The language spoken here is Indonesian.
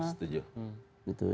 ya ya setuju